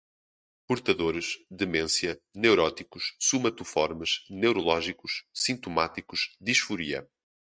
portadores, demência, neuróticos, somatoformes, neurológicos, sintomáticos, disforia